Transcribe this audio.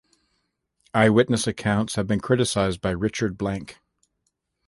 Eyewitness accounts have been criticised by Richard Blanke.